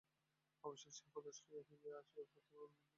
অবশেষে হতাশ হইয়া ফিরিয়া আসিবার পথে, গোবিন্দমাণিক্যের সহিত দুর্গে দেখা হয়।